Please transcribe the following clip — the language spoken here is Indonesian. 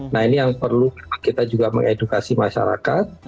nah ini yang perlu kita juga mengedukasi masyarakat